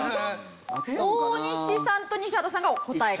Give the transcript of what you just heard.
大西さんと西畑さんが答えが同じ。